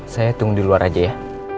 saya tunggu di luar aja ya